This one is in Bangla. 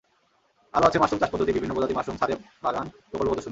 আরও আছে মাশরুম চাষপদ্ধতি, বিভিন্ন প্রজাতির মাশরুম, ছাদে বাগান প্রকল্প প্রদর্শনী।